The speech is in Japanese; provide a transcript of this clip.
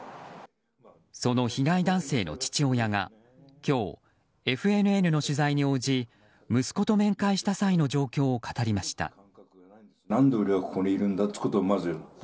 その被害男性の父親が今日、ＦＮＮの取材に応じ息子と面会した際の状況を語りました。